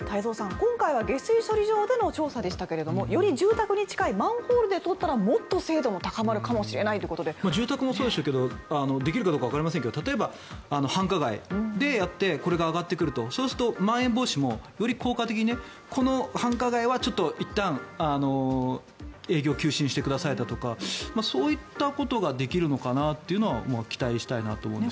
今回は下水処理場での調査でしたが、より住宅に近いマンホールで採ったらもっと精度が高まるかもしれないということで住宅もそうでしたけどできるかどうかわかりませんが例えば、繁華街でやってこれが上がってくるとそうするとまん延防止もより効果的にこの繁華街はいったん営業を休止にしてくださいだとかそういったことができるのかなというのを期待したいと思います。